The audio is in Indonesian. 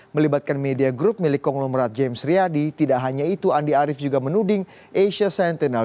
melibatkan media grup milik konglomerat james riyadi tidak hanya itu andi arief juga menuding asia sentinel